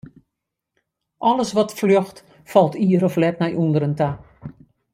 Alles wat fljocht, falt ier of let nei ûnderen ta.